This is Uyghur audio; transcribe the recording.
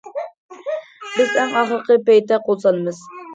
بىز ئەڭ ئاخىرقى پەيتتە قول سالىمىز.